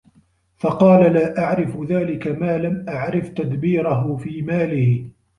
فَقَالَ لَا أَعْرِفُ ذَلِكَ مَا لَمْ أَعْرِفْ تَدْبِيرَهُ فِي مَالِهِ